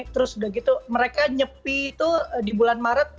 terus udah gitu mereka nyepi itu di bulan maret